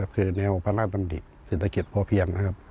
คือแนวพระราชดำริเศรษฐกิจพอเพียงนะครับ